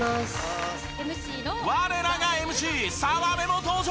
我らがＭＣ澤部も登場！